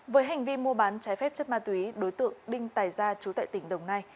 với hành vi mua bán trái phép chất ma túy đối tượng đinh tài gia chú tại tỉnh đồng nai